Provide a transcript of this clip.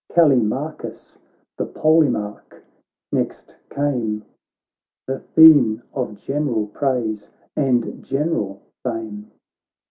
Callimachus the Polemarch next came, The theme of general praise and general fame.